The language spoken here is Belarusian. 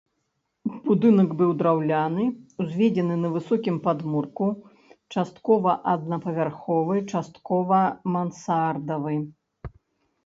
Будынак быў драўляны, узведзены на высокім падмурку, часткова аднапавярховы, часткова мансардавы.